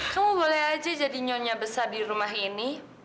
kamu boleh aja jadi nyonya besar dirumah ini